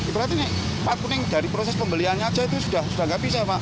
berarti plat kuning dari proses pembeliannya saja itu sudah tidak bisa